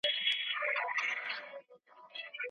د داستاني اثر په تحقیق کي مهم ټکي په پام کي ونیسئ.